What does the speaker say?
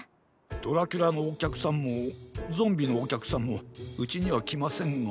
ドラキュラのおきゃくさんもゾンビのおきゃくさんもうちにはきませんが。